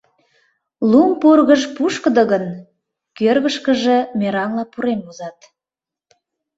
Лум пургыж пушкыдо гын, кӧргышкыжӧ мераҥла пурен возат.